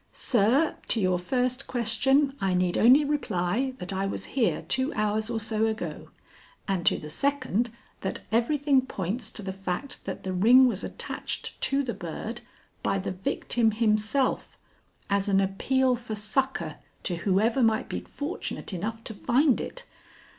"Sir, to your first question I need only reply that I was here two hours or so ago, and to the second that everything points to the fact that the ring was attached to the bird by the victim himself, as an appeal for succor to whoever might be fortunate enough to find it.